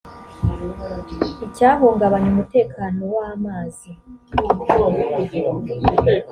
icyahungabanya umutekano w amazi